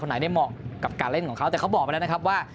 ไหนได้เหมาะกับการเล่นของเขาแต่เขาบอกไปแล้วนะครับว่า